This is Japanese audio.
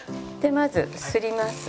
まずすります。